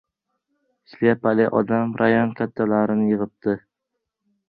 Shlyapali odam rayon kattalarini yig‘ibdi.